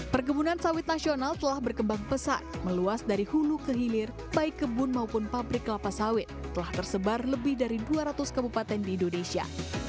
perkebunan sawit nasional telah berkembang pesat meluas dari hulu ke hilir baik kebun maupun pabrik kelapa sawit telah tersebar lebih dari dua ratus kabupaten di indonesia